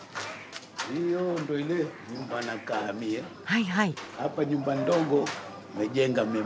はいはい。